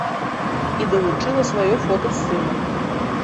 І далучыла сваё фота з сынам.